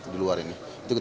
di luar ini